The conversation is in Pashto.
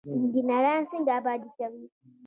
انجنیران څنګه ابادي کوي؟